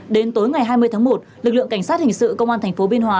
đến tối ngày hai mươi tháng một lực lượng cảnh sát hình sự công an tp biên hòa